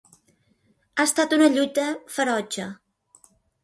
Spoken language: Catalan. Ha estat una lluita ferotge.